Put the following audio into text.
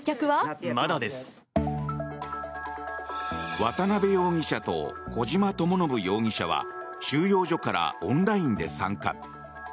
渡邉容疑者と小島智信容疑者は収容所からオンラインで参加。